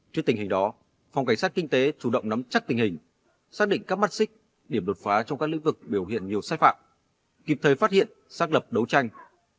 trước tình hình đó phòng cảnh sát kinh tế chủ động nắm chắc tình hình xác định các mắt xích điểm đột phá trong các lĩnh vực biểu hiện nhiều sai phạm kịp thời phát hiện xác lập đấu tranh